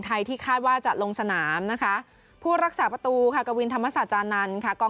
ที่คาดว่าจะลงสนามนะคะผู้รักษาประตูค่ะกวินธรรมศาจานันทร์ค่ะกอง